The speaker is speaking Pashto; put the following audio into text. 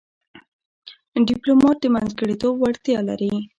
ډيپلومات د منځګړیتوب وړتیا لري.